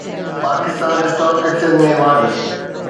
Pakistan stock exchange ۾ واڌ